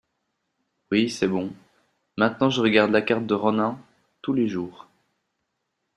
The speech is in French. Oui c’est bon, maintenant je regarde la carte de Ronan tous les jours.